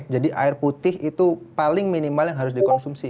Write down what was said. jadi air putih itu paling minimal yang harus dikonsumsi